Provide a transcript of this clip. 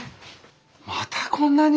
またこんなに？